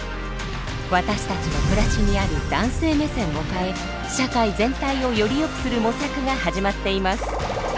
私たちの暮らしにある男性目線を変え社会全体をよりよくする模索が始まっています。